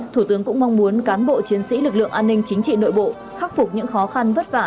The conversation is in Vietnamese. thủ tướng cũng mong muốn cán bộ chiến sĩ lực lượng an ninh chính trị nội bộ khắc phục những khó khăn vất vả